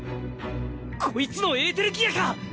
こいつのエーテルギアか！